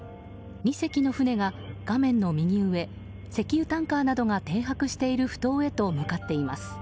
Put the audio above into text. ２隻の船が画面の右上石油タンカーなどが停泊している埠頭へと向かっています。